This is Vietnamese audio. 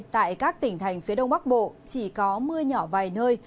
tại các tỉnh thành phía đông bắc bộ chỉ có mưa nhỏ vài nơi